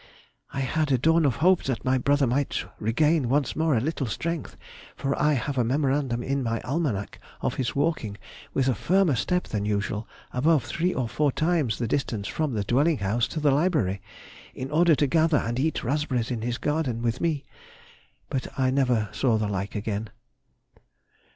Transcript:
_—I had a dawn of hope that my brother might regain once more a little strength, for I have a memorandum in my almanac of his walking with a firmer step than usual above three or four times the distance from the dwelling house to the library, in order to gather and eat raspberries, in his garden, with me. But I never saw the like again.